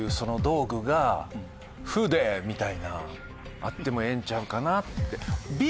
あってもええんちゃうかなって。